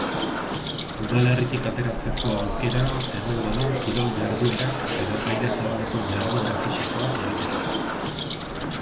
Udalerritik ateratzeko aukera egongo da kirol-jarduerak edo aire zabaleko jarduera fisikoak egiteko.